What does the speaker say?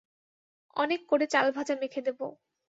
অনেক করে চালভাজা মেখে দেবো।